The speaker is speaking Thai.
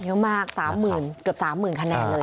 เยอะมาก๓๐๐๐๐บาทเกือบ๓๐๐๐๐บาทคะแนนเลยนะคะ